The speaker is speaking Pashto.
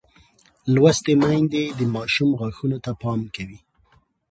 لوستې میندې د ماشوم غاښونو ته پام کوي.